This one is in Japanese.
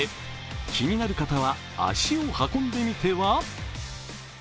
気になる方は足を運んでみては？